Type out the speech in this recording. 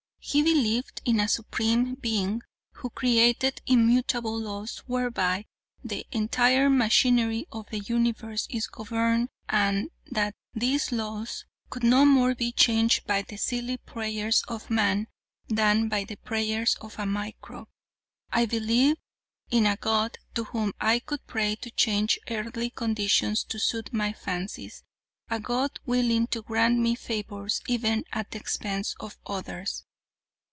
"'He believed in a Supreme Being, who created immutable laws whereby the entire machinery of the universe is governed, and that these laws could no more be changed by the silly prayers of man than by the prayers of a microbe. I believed in a god to whom I could pray to change earthly conditions to suit my fancies; a god willing to grant me favors even at the expense of others.